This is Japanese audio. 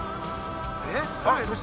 えっ？